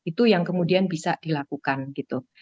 itu yang kemudian bisa dilakukan gitu